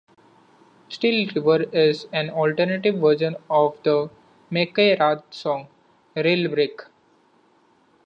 "Steel River" is an alternate version of the Mickey Ratt song "Railbreak".